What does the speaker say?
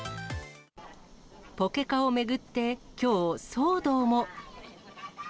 ポケカを巡って、きょう、騒動も。